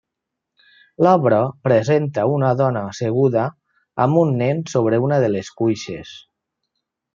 L'obra presenta una dona asseguda amb un nen sobre una de les cuixes.